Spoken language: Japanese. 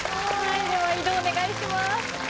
では移動をお願いします。